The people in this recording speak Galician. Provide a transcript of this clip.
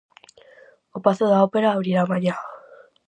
O Pazo da Ópera abrirá mañá.